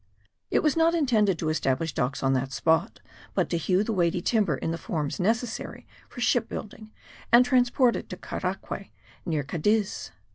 It was not intended to establish docks on that spot, but to hew the weighty timber into the forms necessary for ship building, and to transport it to Caraque, near Cadiz.